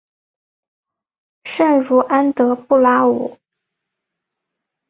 圣茹安德布拉武。